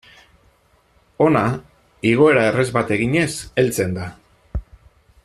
Hona, igoera errez bat eginez heltzen da.